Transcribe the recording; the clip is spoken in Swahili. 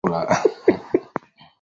Magari yameharibika.